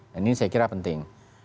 dan ini saya kira penting